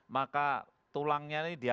maka tulangnya ini diungkapkan